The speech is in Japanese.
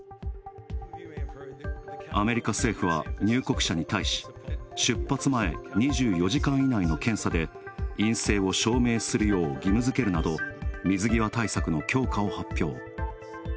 アメリカ政府は、入国者に対し出発前２４時間以内の検査で陰性を証明するよう義務づけるなど水際対策の強化を発表。